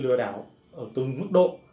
lừa đảo ở từng mức độ